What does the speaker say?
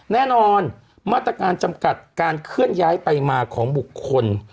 แน่นอนมาตรการจำกัดการเคลื่อนย้ายไปมาของบุคคล